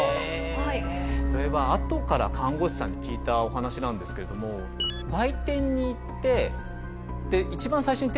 これはあとから看護師さんに聞いたお話なんですけれども売店に行って。